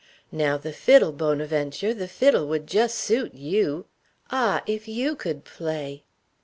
Now, the fiddle, Bonaventure the fiddle would just suit you. Ah, if you could play!"